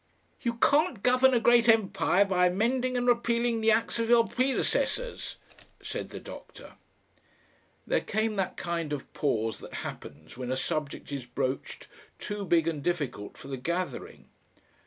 "You can't govern a great empire by amending and repealing the Acts of your predecessors," said the doctor. There came that kind of pause that happens when a subject is broached too big and difficult for the gathering.